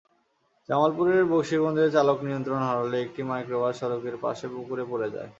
জামালপুরের বকশিগঞ্জে চালক নিয়ন্ত্রণ হারালে একটি মাইক্রোবাস সড়কের পাশে পুকুরে পড়ে যায়।